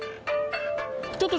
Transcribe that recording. ちょっと。